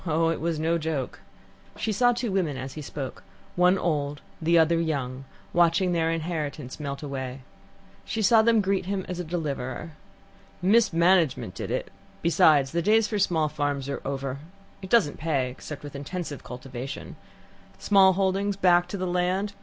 Oh, it was no joke." She saw two women as he spoke, one old, the other young, watching their inheritance melt away. She saw them greet him as a deliverer. "Mismanagement did it besides, the days for small farms are over. It doesn't pay except with intensive cultivation. Small holdings, back to the land ah!